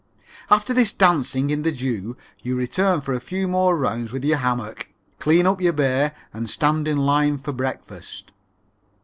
After this dancing in the dew you return for a few more rounds with your hammock, clean up your bay and stand in line for breakfast.